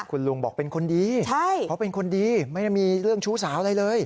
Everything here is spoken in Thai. คุณลุงบอกเป็นคนดีเขาเป็นคนดีไม่ได้มีเรื่องชู้สาวอะไรเลย